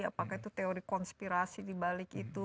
apakah itu teori konspirasi di balik itu